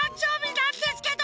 なんですけど！